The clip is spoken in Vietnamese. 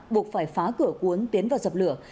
buộc phải phá cửa cuốn tiến vào dập lửa